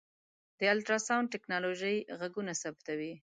د الټراسونډ ټکنالوژۍ غږونه ثبتوي.